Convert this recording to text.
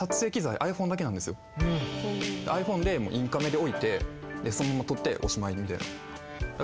ｉＰｈｏｎｅでインカメで置いてそのまま撮っておしまいみたいな。